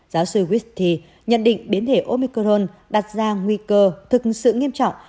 giáo sư whitty nhận định biến thể omicron đặt ra nguy cơ thực sự nghiêm trọng